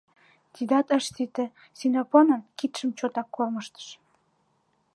Тидат ыш сите — Синопонын кидшым чотак кормыжтыш.